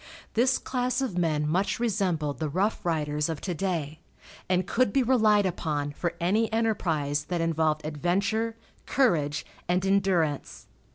This class of men much resembled the rough riders of to day, and could be relied upon for any enterprise that involved adventure, courage and endurance.